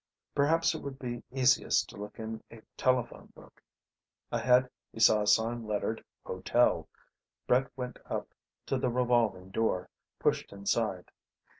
Perhaps it would be easiest to look in a telephone book. Ahead he saw a sign lettered HOTEL. Brett went up to the revolving door, pushed inside.